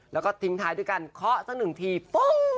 แล้วก็ทิ้งท้ายด้วยการเคาะสักหนึ่งทีปุ๊บ